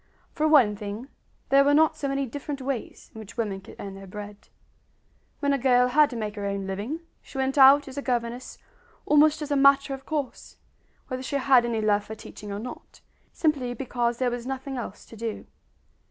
For one thing, there were not so many different ways in which women could earn their bread. When a girl had to make her own living she went out as a governess almost as a matter of course, whether she had any love for teaching or not, simply because there was nothing else to do.